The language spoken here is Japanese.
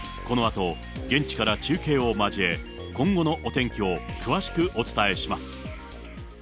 このあと現地から中継を交え、今後のお天気を詳しくお伝えします。